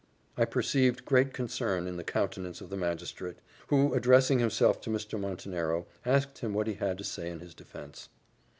I perceived great concern in the countenance of the magistrate, who, addressing himself to Mr. Montenero, asked him what he had to say in his defence.